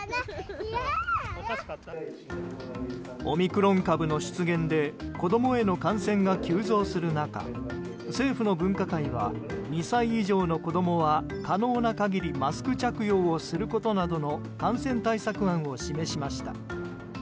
オミクロン株の出現で子供への感染が急増する中政府の分科会は２歳以上の子供は可能な限りマスク着用をすることなどの感染対策案を示しました。